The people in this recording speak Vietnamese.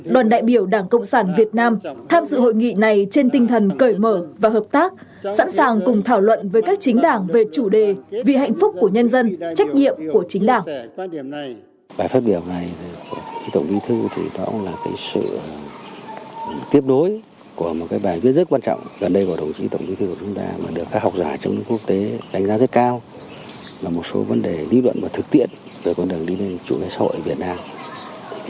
đoàn đại biểu đảng cộng sản việt nam tham dự hội nghị này trên tinh thần cởi mở và hợp tác sẵn sàng cùng thảo luận với các chính đảng về chủ đề vì hạnh phúc của nhân dân trách nhiệm của chính đảng